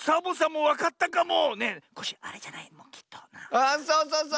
あそうそうそう！